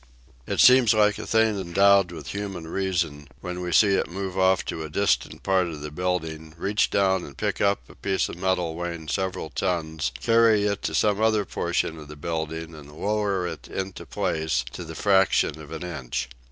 It seems like a thing endowed with human reason, when we see it move off to a distant part of the building, reach down and pick up a piece of metal weighing several tons, carry it to some other portion of the building and lower it into place, to the fraction of an inch.